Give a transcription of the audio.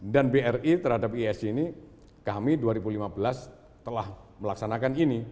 dan bri terhadap esg ini kami dua ribu lima belas telah melaksanakan ini